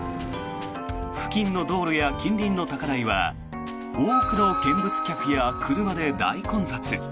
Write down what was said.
付近の道路や近隣の高台は多くの車や見物客で大混雑。